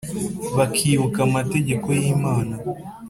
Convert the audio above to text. Bakibuka amategeko yimana